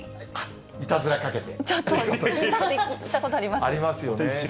いたずらかけて？